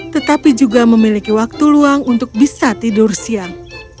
tetapi juga memiliki waktu luang untuk bisa tidur siang